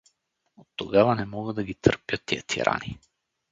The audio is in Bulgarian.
Оттогава не мога да ги търпя тия тирани!